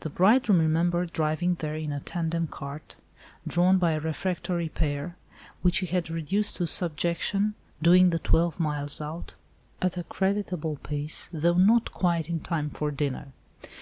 The bridegroom remembered driving there in a tandem cart, drawn by a refractory pair, which he had reduced to subjection, doing the twelve miles out, at a creditable pace, though not quite in time for dinner.